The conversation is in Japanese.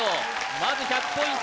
まず１００ポイント